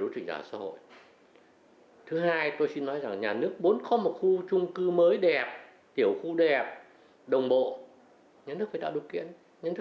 nhưng cơ quan chức năng thẩm định độ xuống cấp của khu chung cư mới đẹp tiểu khu đẹp đồng bộ diem chứ không phải comment ông nguyễn l acquirec